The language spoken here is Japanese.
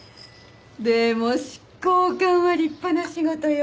でも執行官は立派な仕事よ。